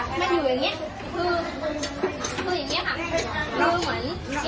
คือคืออย่างเงี้ยค่ะดูเหมือนเนี้ยเดี๋ยวน้องใหม่ขอวันนี้